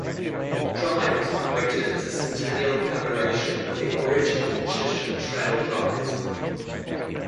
The drive was promoted as a centennial commemoration of the original Chisholm Trail drives.